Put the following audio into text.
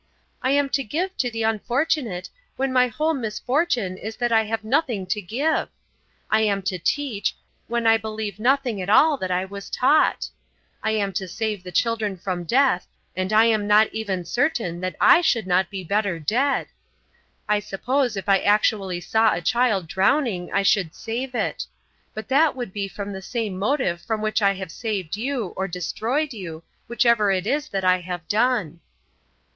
I am to give to the unfortunate, when my whole misfortune is that I have nothing to give. I am to teach, when I believe nothing at all that I was taught. I am to save the children from death, and I am not even certain that I should not be better dead. I suppose if I actually saw a child drowning I should save it. But that would be from the same motive from which I have saved you, or destroyed you, whichever it is that I have done."